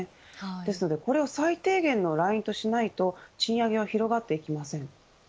ですから、これを最低限のラインとしないと賃上げは広がっていきません。